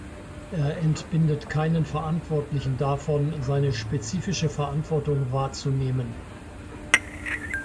Er entbindet keinen Verantwortlichen davon, seine spezifische Verantwortung wahrzunehmen.